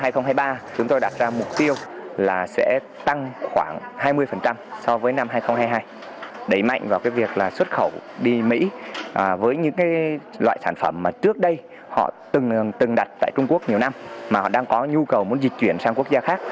khẩu đi mỹ với những loại sản phẩm mà trước đây họ từng đặt tại trung quốc nhiều năm mà họ đang có nhu cầu muốn dịch chuyển sang quốc gia khác